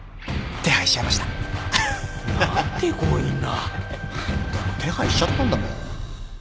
手配しちゃったんだもん。